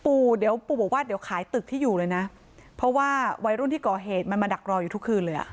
ปู่เดี๋ยวปู่บอกว่าเดี๋ยวขายตึกที่อยู่เลยนะเพราะว่าวัยรุ่นที่ก่อเหตุมันมาดักรออยู่ทุกคืนเลยอ่ะ